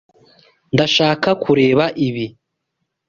Ndashaka kureba ibi.